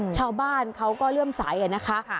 ชาวบ้านเขาก็เริ่มใสนะคะ